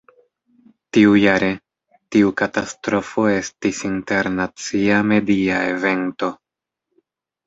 Tiujare, tiu katastrofo estis internacia media evento.